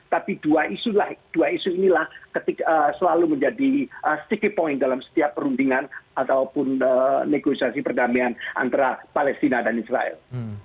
tapi dua isu inilah selalu menjadi sedikit point dalam setiap perundingan ataupun negosiasi perdamaian antara palestina dan israel